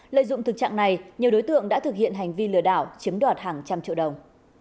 lợi dụng thực trạng này nhiều đối tượng đã thực hiện hành vi lừa đảo chiếm đoạt hàng trăm triệu đồng